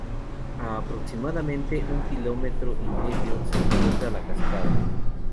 A aproximadamente un kilómetro y medio se encuentra la cascada.